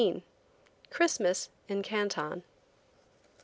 CHRISTMAS IN CANTON.